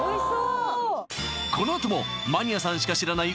このあともマニアさんしか知らない